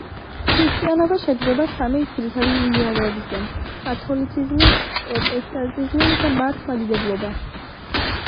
ქრისტიანობა შედგება სამი ძირითადი მიმდინარეობისგან: კათოლიციზმი, პროტესტანტიზმი და მართლმადიდებლობა.